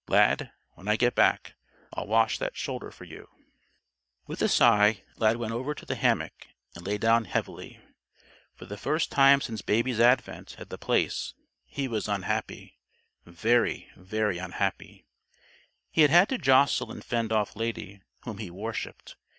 Lad, when I get back, I'll wash that shoulder for you." With a sigh, Lad went over to the hammock and lay down, heavily. For the first time since Baby's advent at The Place, he was unhappy very, very unhappy. He had had to jostle and fend off Lady, whom he worshipped.